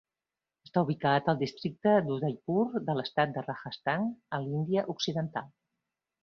Està ubicar al districte Udaipur de l'estat de Rajasthan, a l'Índia occidental.